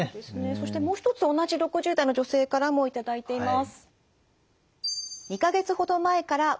そしてもう一つ同じ６０代の女性からも頂いています。